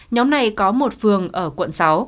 nhóm này có một phường ở quận sáu